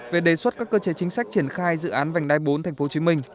về đề xuất các cơ chế chính sách triển khai dự án vành đai bốn tp hcm